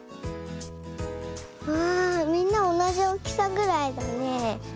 わあみんなおなじおおきさぐらいだね。